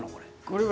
これ。